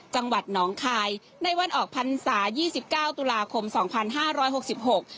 จังหวัดหนองคายในวันออกพรรษายี่สิบเก้าตุลาคมสองพันห้าร้อยหกสิบหก